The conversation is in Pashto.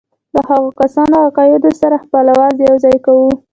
له هغو کسانو او عقایدو سره خپل آواز یوځای کوو.